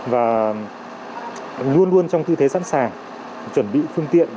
và luôn luôn trong tư thế sẵn sàng chuẩn bị phương tiện